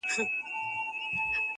نه د ژړا نه د خندا خاوند دی~